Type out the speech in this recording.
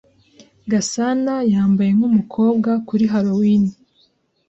Gasanayambaye nkumukobwa kuri Halloween.